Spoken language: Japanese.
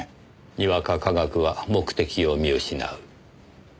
にわか科学は目的を見失う。